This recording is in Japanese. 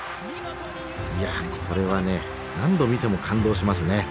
いやこれはね何度見ても感動しますね。